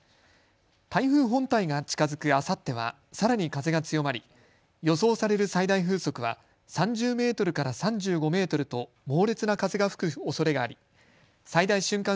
台風本体が近づくあさってはさらに風が強まり予想される最大風速は３０メートルから３５メートルと猛烈な風が吹くおそれがあり最大瞬間